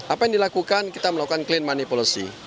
apa yang dilakukan kita melakukan clean money policy